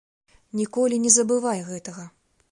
Ніколі не забывай гэтага.